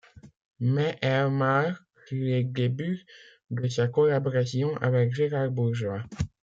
Mais elle marque les débuts de sa collaboration avec Gérard Bourgeois.